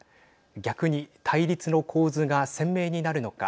逆に、対立の構図が鮮明になるのか。